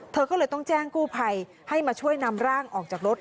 เธอก็เลยต้องแจ้งกู้ภัยให้มาช่วยนำร่างออกจากรถ